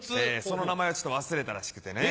その名前を忘れたらしくてね。